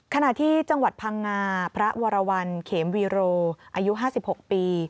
ขณะที่จังหวัดพังงาพระวรวรรณเขมวีโรอายุ๕๖ปี